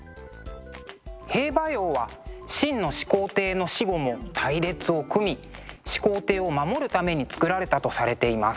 兵馬俑は秦の始皇帝の死後も隊列を組み始皇帝を守るために作られたとされています。